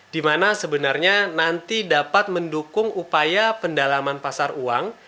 dimana sebenarnya nanti dapat mendukung upaya pendalaman pasar uang